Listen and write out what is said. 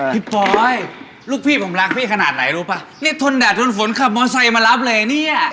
ปอยลูกพี่ผมรักพี่ขนาดไหนรู้ป่ะนี่ทนแดดทนฝนขับมอไซค์มารับเลยเนี่ย